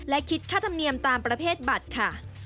และคิดค่าธรรมเนียมตามประเภทบัตรค่ะ